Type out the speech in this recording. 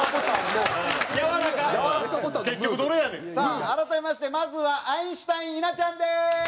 結局どれやねん。さあ改めましてまずはアインシュタイン稲ちゃんです！